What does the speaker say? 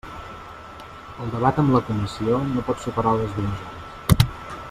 El debat amb la comissió no pot superar les dues hores.